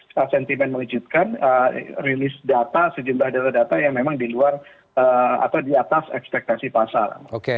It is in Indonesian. release data sejumlah data data yang memang di luar atau di atas ekspektasi pasar